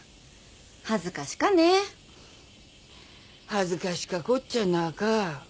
恥ずかしかこちゃなかぁー。